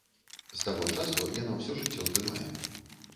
З таго часу яна ўсё жыццё здымае.